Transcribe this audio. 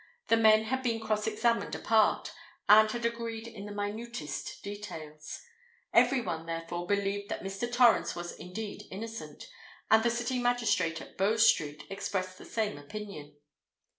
The men had been cross examined apart, and had agreed in the minutest details. Every one therefore believed that Mr. Torrens was indeed innocent; and the sitting magistrate at Bow Street expressed the same opinion.